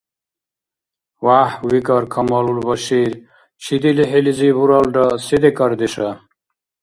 – ВяхӀ, – викӀар Камалул Башир, – чиди лихӀилизи буралра се декӀардеша?